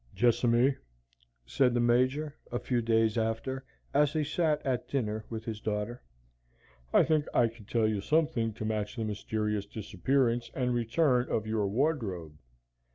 "Jessamy," said the Major, a few days after, as he sat at dinner with his daughter, "I think I can tell you something to match the mysterious disappearance and return of your wardrobe.